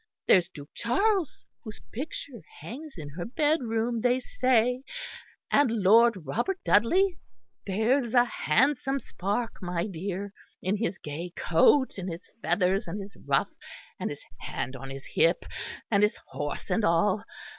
There's Duke Charles whose picture hangs in her bedroom, they say; and Lord Robert Dudley there's a handsome spark, my dear, in his gay coat and his feathers and his ruff, and his hand on his hip, and his horse and all.